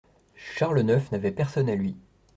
Charles neuf n'avait personne à lui.